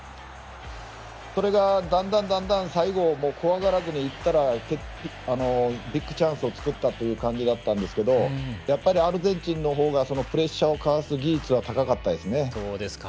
それがだんだんと最後怖がらずに行ったらビッグチャンスを作った感じだったんですがアルゼンチンの方がプレッシャーをかわす技術は高かったですね。